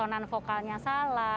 penanganan vokalnya salah